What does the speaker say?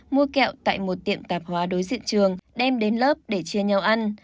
mua kẹo tại một tiệm tạp hóa đối diện trường đem đến lớp để chia nhau ăn